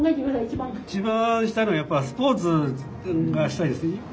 一番したいのはやっぱりスポーツがしたいですね。